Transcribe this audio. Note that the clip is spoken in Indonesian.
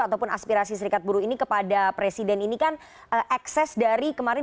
ataupun aspirasi serikat buruh ini kepada presiden ini kan ekses dari kemarin